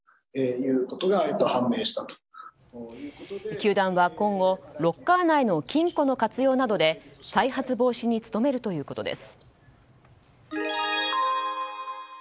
球団は今後ロッカー内の金庫の活用などで再発防止に努めるということです。